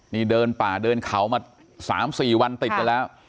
นี่เดินป่าเดินเขามาสามสี่วันติดแล้วครับ